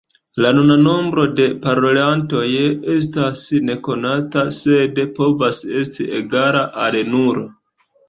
La nuna nombro da parolantoj estas nekonata sed povas esti egala al nulo.